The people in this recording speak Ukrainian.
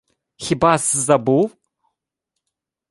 — Хіба-с забув?